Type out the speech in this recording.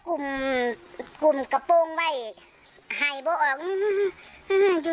ก็เลยไปถามไปเนี่ยก็ยังเห็น